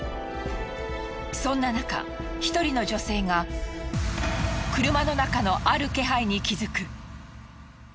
そんななか１人の女性が車の中のある気配に気づく。